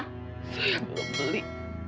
saya belum beli